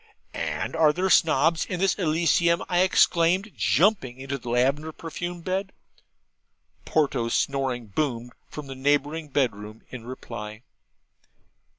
'And are there Snobs in this Elysium?' I exclaimed, jumping into the lavender perfumed bed. Ponto's snoring boomed from the neighbouring bed room in reply.